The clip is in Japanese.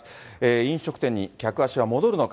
飲食店に客足は戻るのか。